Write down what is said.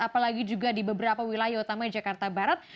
apalagi juga di beberapa wilayah utama jakarta barat